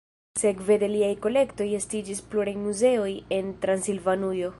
Sekve de liaj kolektoj estiĝis pluraj muzeoj en Transilvanujo.